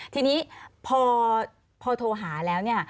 ทีนี้พอโทรหาแล้ว